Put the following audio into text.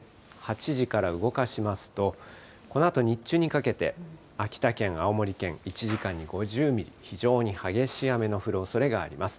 ８時から動かしますと、このあと日中にかけて、秋田県、青森県、１時間に５０ミリ、非常に激しい雨の降るおそれがあります。